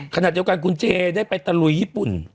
ขณะเดียวกันคุณเจได้ไปตะลุยญี่ปุ่น